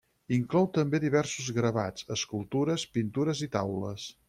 Inclou també diversos gravats, escultures, pintures i taules.